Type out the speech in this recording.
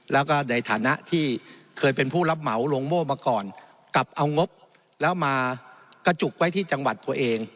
แล้วก็ในฐานะที่เคยเป็นผู้รับเหมาลงโม่มาก่อนกลับเอางบแล้วมากระจุกไว้ที่จังหวัดตัวเอง